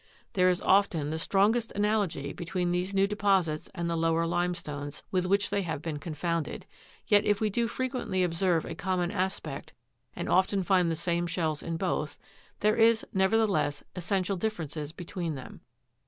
There is often the strongest analogy between these new deposits and the lower limestones, with which they have been confounded ; yet, if we do frequently observe a common aspect, and often find the same shells in both, there is, nevertheless, es sential differences between them.